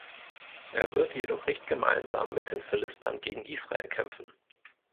Er wird jedoch nicht gemeinsam mit den Philistern gegen Israel kämpfen.